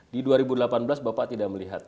di dua ribu delapan belas bapak tidak melihat